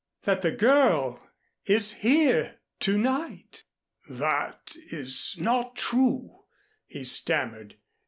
"That the girl is here to night." "That is not true," he stammered.